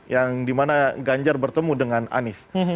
yang dimana ganjar bertemu dengan anies